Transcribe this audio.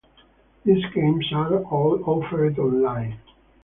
These games are all offered on-line.